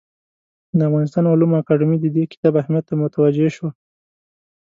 د افغانستان علومو اکاډمي د دې کتاب اهمیت ته متوجه شوه.